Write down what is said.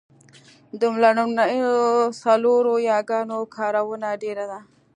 د لومړنیو څلورو یاګانو کارونه ډېره ده